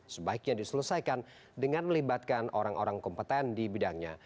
sebaiknya diselesaikan dengan melibatkan orang orang kompeten di bidangnya